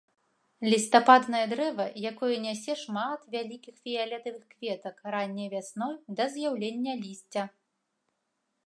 Лістападнае дрэва, якое нясе шмат вялікіх фіялетавых кветак ранняй вясной да з'яўлення лісця.